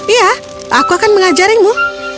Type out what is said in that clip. iya aku akan mengajarinmu